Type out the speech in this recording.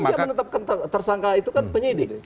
yang dia menetapkan tersangka itu kan penyidik